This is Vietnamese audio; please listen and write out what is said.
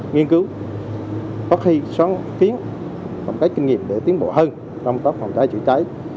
nghiên cứu phát huy xóa kiến trong cách kinh nghiệm để tiến bộ hơn trong tập phòng cháy chữa cháy